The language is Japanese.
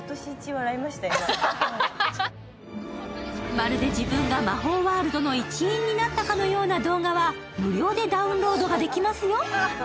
まるで自分が魔法ワールドの一員になったかのような動画は無料でダウンロードができますよ。